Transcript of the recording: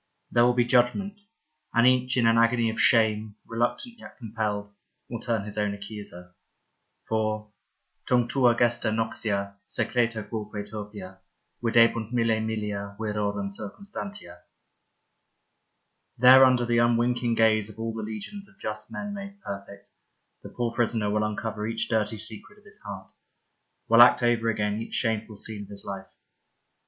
There will be judgment, and each, in an agony of shame, reluctant yet compelled, will turn his own accuser. For Tunc tua gesta noxia Secreta quoque turpia Videbunt mille millia Virorum circumstantia. There under the unwinking gaze of all the legions of just men made perfect, the poor prisoner will uncover each dirty secret of his heart, will act over again each shameful scene of his life.